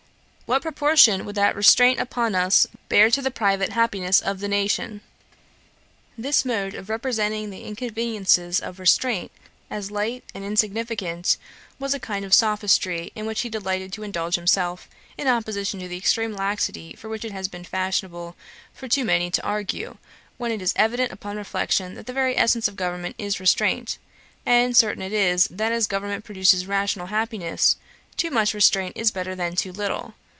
What proportion would that restraint upon us bear to the private happiness of the nation?' This mode of representing the inconveniences of restraint as light and insignificant, was a kind of sophistry in which he delighted to indulge himself, in opposition to the extreme laxity for which it has been fashionable for too many to argue, when it is evident, upon reflection, that the very essence of government is restraint; and certain it is, that as government produces rational happiness, too much restraint is better than too little.